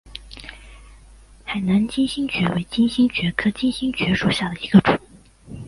海南金星蕨为金星蕨科金星蕨属下的一个种。